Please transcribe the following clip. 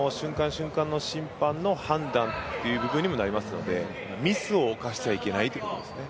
瞬間の審判の判断になりますのでミスを犯してはいけないということですね。